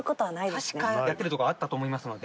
確かやってるとこあったと思いますので。